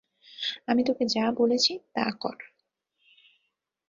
আমি তোকে যা বলেছি তা কর!